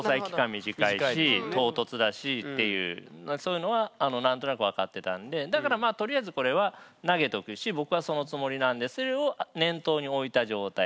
短いし唐突だしっていうそういうのは何となく分かってたんでだからまあとりあえずこれは投げとくし僕はそのつもりなんでそれを念頭に置いた状態で。